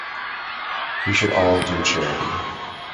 We should all do charity.